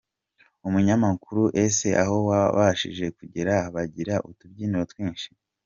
Umunyamakuru: Ese aho wabashije kugera bagira utubyiniro twinshi?.